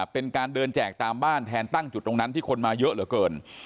เป็นการเดินแจกตามบ้านแทนตั้งจุดตรงนั้นที่คนมาเยอะเหลือเกิน